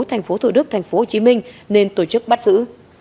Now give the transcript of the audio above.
tp hcm nên tổ chức bắt giữ